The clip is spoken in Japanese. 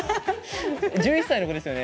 １１歳の子ですよね